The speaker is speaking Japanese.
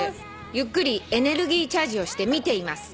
「ゆっくりエネルギーチャージをして見ています」